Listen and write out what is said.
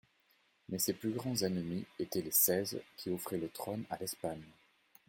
Mais ses plus grands ennemis étaient les Seize, qui offraient le trône à l'Espagne.